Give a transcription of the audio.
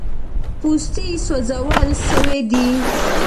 پوستې سوځول سوي دي.